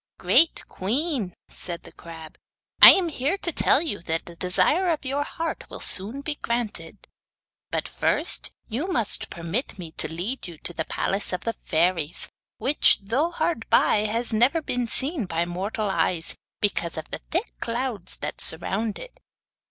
'Great queen,' said the crab, 'I am here to tell you that the desire of your heart will soon be granted. But first you must permit me to lead you to the palace of the fairies, which, though hard by, has never been seen by mortal eyes because of the thick clouds that surround it.